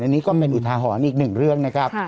อันนี้ก็เป็นอุทหาหอนอีก๑เรื่องนะครับ